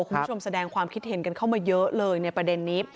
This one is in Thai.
คุณผู้ชมแสดงความคิดเห็นกันเข้ามาเยอะเลยในประเด็นนี้